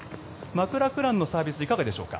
マクラクランのサービスいかがでしょうか。